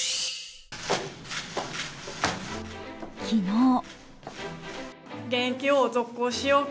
昨日。